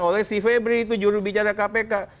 oleh si febri itu jurubicara kpk